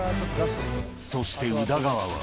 そして宇田川は。